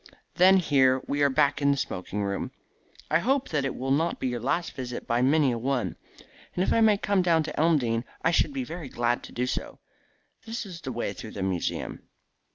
Then here we are back in the smoking room. I hope that it will not be your last visit by many a one. And if I may come down to Elmdene I should be very glad to do so. This is the way through the museum."